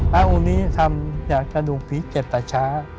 พระอุณิธรรมอยากจะดูผีเจ็บแต่ช้า